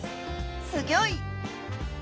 すギョい！